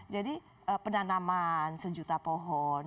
jadi penanaman sejuta pohon